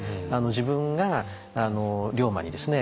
自分が龍馬にですね